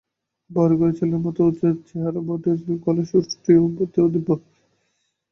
বড়োঘরের ছেলের মতো তাহার চেহারা বটে, এবং গলার সুরটিও তো দিব্য।